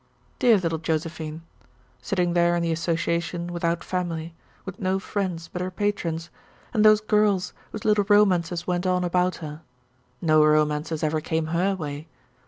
Dear little Josephine! Sitting there in the Association without family, with no friends but her patrons, and those girls whose little romances went on about her! No romances ever came her way.